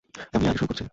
আমিই আগে শুরু করছি।